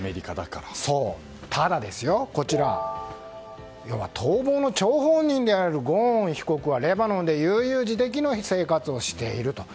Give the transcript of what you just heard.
ただ、要は逃亡の張本人であるゴーン被告はレバノンで悠々自適の生活をしていると。